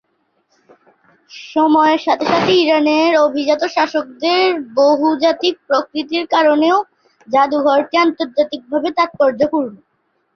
সময়ের সাথে সাথে ইরানের অভিজাত শাসকদের বহুজাতিক প্রকৃতির কারণেও জাদুঘরটি আন্তর্জাতিকভাবে তাৎপর্যপূর্ণ।